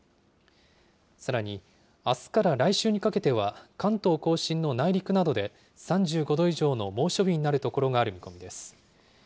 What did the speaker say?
さらに、あすから来週にかけては、関東甲信の内陸などで３５度以上の猛暑日になる所がある見込みです。